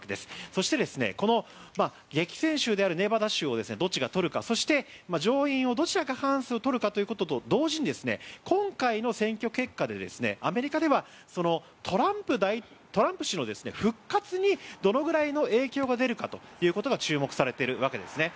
そして、激戦州であるネバダ州をどっちが取るかそして、上院をどちらが過半数を取るかということと同時に今回の選挙結果でアメリカではトランプ氏の復活にどのくらいの影響が出るかということが注目されているわけですね。